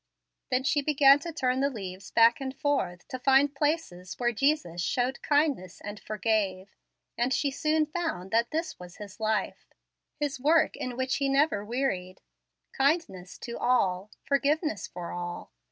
Then she began to turn the leaves back and forth to find places where Jesus showed kindness and forgave, and she soon found that this was His life, His work in which He never wearied, kindness to all, forgiveness for all.